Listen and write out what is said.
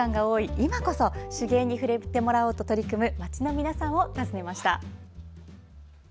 今こそ手芸に触れてもらおうと取り組む街の皆さんを訪ねました。